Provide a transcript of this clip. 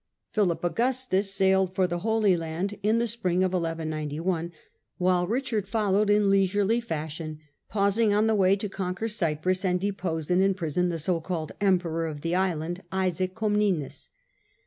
Philip Augustus sailed for the Holy Land in the spring of 1191, while Eichard followed in leisurely fashion, pausing on the way to conquer Cyprus and depose and imprison the so called " Emperor " of the island, Isaac Comnenus.